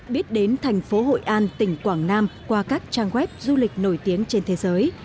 biết đến thành phố hội an tỉnh quảng nam qua các trang web du lịch nổi tiếng trên thế giới